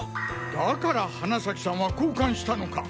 だから花崎さんは交換したのか。